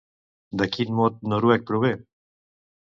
De quin mot noruec prové?